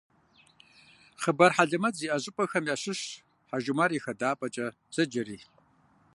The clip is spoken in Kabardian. Хъыбар хьэлэмэт зиӏэ щӏыпӏэхэм ящыщщ «Хьэжумар и хадапӏэкӏэ» зэджэри.